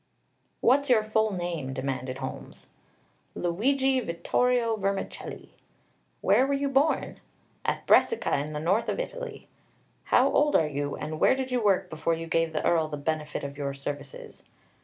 "What's your full name?" demanded Holmes. "Luigi Vittorio Vermicelli." "Where were you born?" "At Brescia, in the north of Italy." "How old are you, and where did you work before you gave the Earl the benefit of your services?"